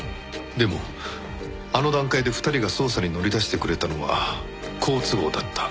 でもあの段階で２人が捜査に乗り出してくれたのは好都合だった。